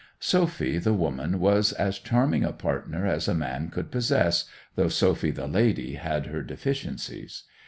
Sophy the woman was as charming a partner as a man could possess, though Sophy the lady had her deficiencies.